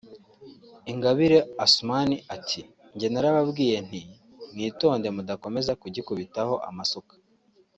Ingabire Assouman ati “jye narababwiye nti mwitonde mudakomeza kugikubitaho amasuka